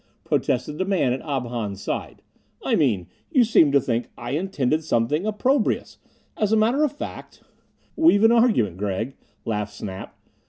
protested the man at Ob Hahn's side. "I mean, you seem to think I intended something opprobrious. As a matter of fact " "We've an argument, Gregg," laughed Snap.